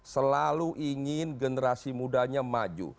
selalu ingin generasi mudanya maju